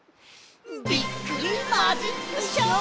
びっくりマジックショー！